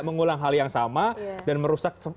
mengulang hal yang sama dan merusak